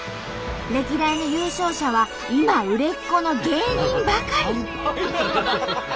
歴代の優勝者は今売れっ子の芸人ばかり。